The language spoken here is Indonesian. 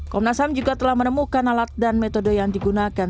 komnas ham juga telah menemukan alat dan metode yang digunakan